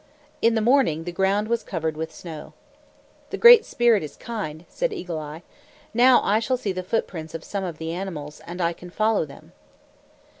In the morning, the ground was covered with snow. "The Great Spirit is kind," said Eagle Eye. "Now I shall see the footprints of some of the animals, and I can follow them."